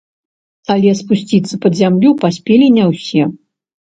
Але спусціцца пад зямлю паспелі не ўсе.